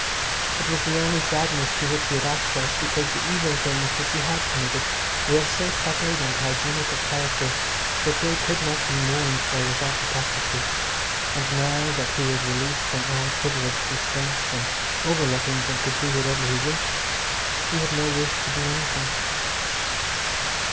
It was the only sadness to which he had access, because the evil deeds which he had committed were of so tepid and hygienic a character that they could not be mourned for without hypocrisy, and now that he was released from all privileged restraints and overlookings and could do whatever he wished he had no wish to do anything.